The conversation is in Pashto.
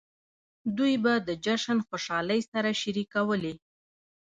دوی به د جشن خوشحالۍ سره شریکولې.